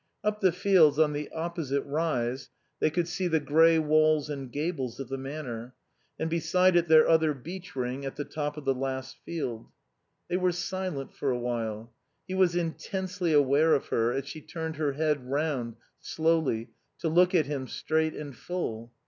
Up the fields on the opposite rise they could see the grey walls and gables of the Manor, and beside it their other beech ring at the top of the last field. They were silent for a while. He was intensely aware of her as she turned her head round, slowly, to look at him, straight and full.